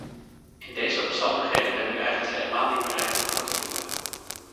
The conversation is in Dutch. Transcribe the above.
In deze omstandigheden ben ik eigenlijk helemaal niet bereid het woord te voeren.